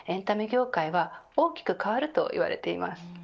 エンタメ業界は大きく変わるといわれています。